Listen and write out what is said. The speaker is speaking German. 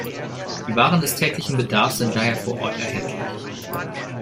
Die Waren des täglichen Bedarfs sind daher vor Ort erhältlich.